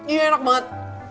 iya enak banget